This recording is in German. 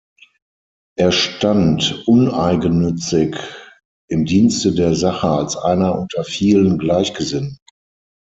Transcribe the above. Er stand uneigennützig im Dienste der Sache als einer unter vielen Gleichgesinnten.